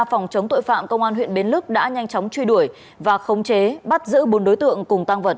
phòng chống tội phạm công an huyện bến lức đã nhanh chóng truy đuổi và khống chế bắt giữ bốn đối tượng cùng tăng vật